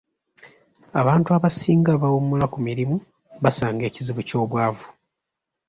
Abantu abasinga abawummula ku mirimu basanga ekizibu ky'obwavu.